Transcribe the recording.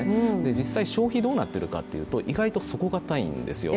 実際、消費がどうなっているかというと意外に底堅いんですよ。